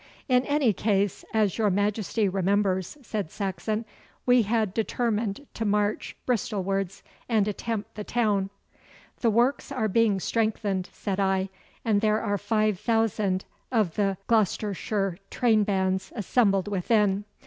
'In any case, as your Majesty remembers,' said Saxon, 'we had determined to march Bristolwards and attempt the town.' 'The works are being strengthened,' said I, 'and there are five thousand of the Gloucestershire train bands assembled within.